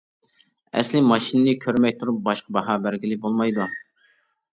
ئەسلى ماشىنىنى كۆرمەي تۇرۇپ باشقا باھا بەرگىلى بولمايدۇ.